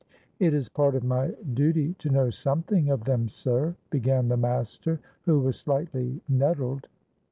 "It is part of my duty to know something of them, sir," began the master, who was slightly nettled.